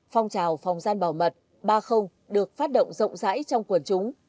phong trào phòng gian bảo mật ba được phát động rộng rãi trong quần chúng